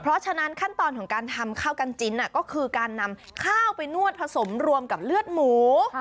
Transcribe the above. เพราะฉะนั้นขั้นตอนของการทำข้าวกันจิ้นก็คือการนำข้าวไปนวดผสมรวมกับเลือดหมู